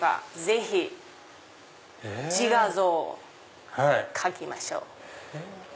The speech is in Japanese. ぜひ自画像を描きましょう。